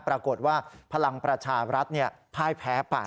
ปรากฏว่าพลังประชารัฐพ่ายแพ้ไป